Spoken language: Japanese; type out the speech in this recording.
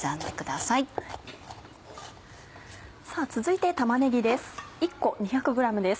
さぁ続いて玉ねぎです。